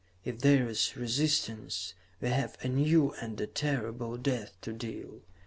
If there is resistance, we have a new and a terrible death to deal.